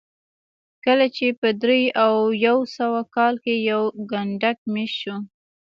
کله چې په درې او یو سوه کال کې یو کنډک مېشت شو